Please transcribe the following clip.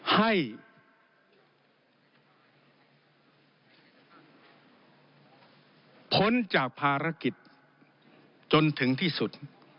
ให้พ้นจากภารกิจจนถึงที่สุด